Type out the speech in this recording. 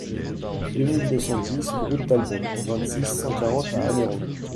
deux mille deux cent dix route d'Albon, vingt-six, cent quarante à Anneyron